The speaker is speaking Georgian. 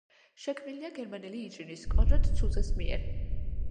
შექმნილია გერმანელი ინჟინრის კონრად ცუზეს მიერ.